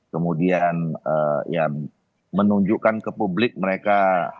kemudian ya menunjukkan ke publik mereka